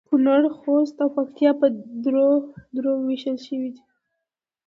کونړ ، خوست او پکتیا په درو درو ویشل شوي دي